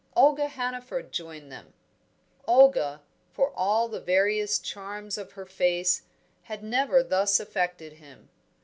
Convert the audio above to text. Olga Hannaford joined them. Olga, for all the various charms of her face, had never thus affected him.